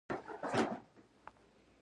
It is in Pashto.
سباته ده تفسیر